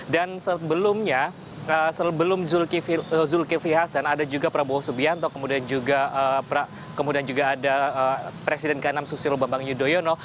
dan sebelumnya sebelum zulkifli hasan ada juga prabowo subianto kemudian juga ada presiden k enam susilo bambang yudhoyono